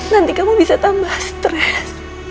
nanti kamu bisa tambah stres